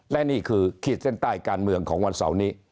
และนี่คือขีดเส้นใต้การเมืองของวันเสาร์นี้